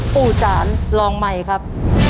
ปู่จานลองใหม่ครับ